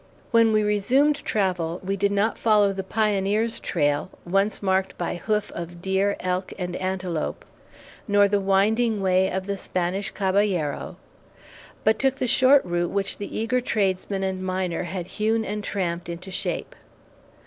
When we resumed travel, we did not follow the pioneers' trail, once marked by hoof of deer, elk, and antelope, nor the winding way of the Spanish cabellero, but took the short route which the eager tradesman and miner had hewn and tramped into shape.